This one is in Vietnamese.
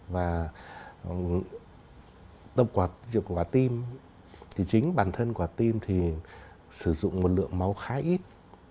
và tâm quạt rượu quả tim thì chính bản thân quả tim thì sử dụng một lượng máu khá ít